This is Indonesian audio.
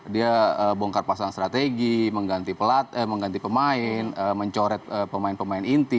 dia bongkar pasang strategi mengganti pemain mencoret pemain pemain inti